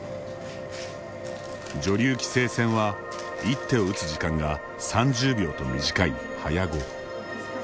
女流棋聖戦は一手を打つ時間が３０秒と短い早碁。